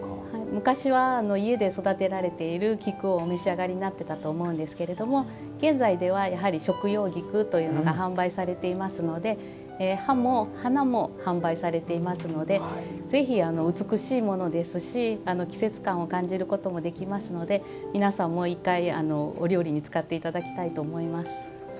昔は家で育てられている菊をお召し上がりになっていたと思うんですが現在では、食用菊というものが販売されていますので葉も花も販売されていますのでぜひ美しいものですし季節感を感じることもできますので皆さんも、一回お料理に使っていただきたいと思います。